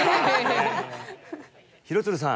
廣津留さん